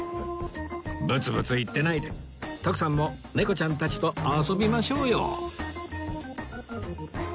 ぶつぶつ言ってないで徳さんも猫ちゃんたちと遊びましょうよ